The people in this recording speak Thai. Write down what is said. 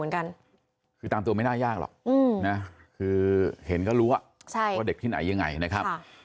กับพื้นเขาก็ตรุมบอยด์กันมา